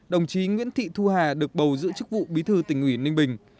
đồng chí nguyễn thị thu hà được bầu giữ chức vụ bí thư tỉnh ủy ninh bình